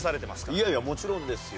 いやいやもちろんですよ。